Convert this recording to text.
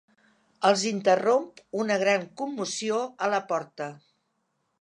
Els interromp una gran commoció a la porta: